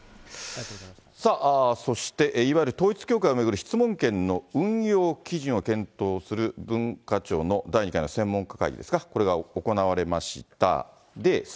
さあ、そしていわゆる統一教会を巡る質問権の運用基準を検討する文化庁の第２回の専門家会議ですか、これが行われました。